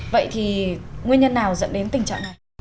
vậy thì nguyên nhân nào dẫn đến tình trạng này